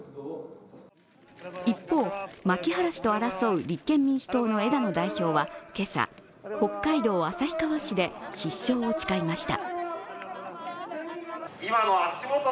一方、牧原氏と争う立憲民主党の枝野代表は今朝、北海道旭川市で必勝を誓いました。